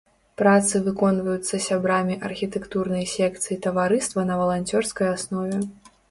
Працы выконваюцца сябрамі архітэктурнай секцыі таварыства на валанцёрскай аснове.